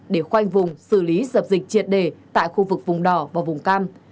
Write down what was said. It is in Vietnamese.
để khoanh vùng xử lý dập dịch triệt đề tại khu vực vùng đỏ và vùng cam